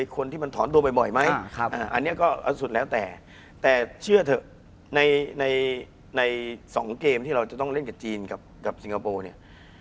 คนที่มันถอนตัวบ่อยไหมอันนี้ก็สุดแล้วแต่แต่เชื่อเถอะใน๒เกมที่เราจะต้องเล่นกับจีนกับสิงคโปร์เนี่ย